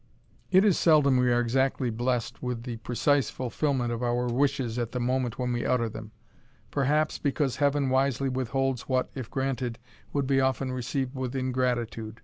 It is seldom we are exactly blessed with the precise fulfilment of our wishes at the moment when we utter them; perhaps, because Heaven wisely withholds what, if granted, would be often received with ingratitude.